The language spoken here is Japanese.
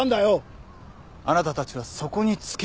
あなたたちはそこに付け込んだ。